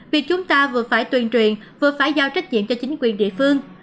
vì chúng ta vừa phải tuyên truyền vừa phải giao trách nhiệm cho chính quyền địa phương